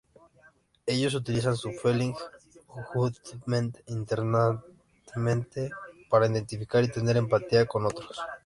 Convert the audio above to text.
Ellos utilizan su Feeling judgment internamente para identificar y tener empatía con otros.